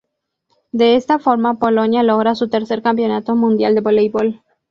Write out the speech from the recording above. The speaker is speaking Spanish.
De esta forma Polonia logra su tercer Campeonato Mundial de Voleibol